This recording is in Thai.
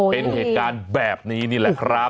เป็นเหตุการณ์แบบนี้นี่แหละครับ